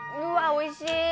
おいしい。